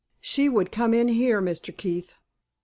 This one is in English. She would come in here, Mr. Keith."